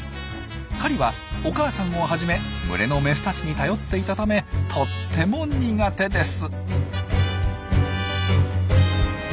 狩りはお母さんをはじめ群れのメスたちに頼っていたためとっても苦手です。